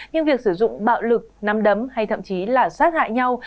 nhưng việc sử dụng bạo lực nắm đấm hay thậm chí là sát hại nhau